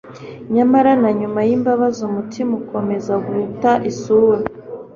nyamara na nyuma y'imbabazi umutima ukomeza guta isura.